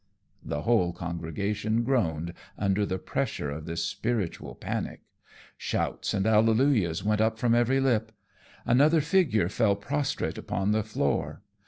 The whole congregation groaned under the pressure of this spiritual panic. Shouts and hallelujahs went up from every lip. Another figure fell prostrate upon the floor.